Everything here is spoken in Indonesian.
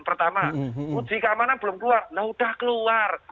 pertama uji keamanan belum keluar nah udah keluar